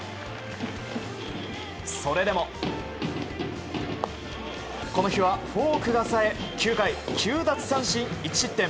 それでも、この日はフォークがさえ９回、９奪三振１失点。